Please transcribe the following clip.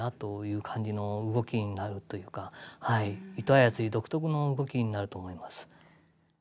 あやつり独特の動きになると思います。